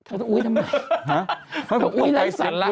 โอ้ยทำไม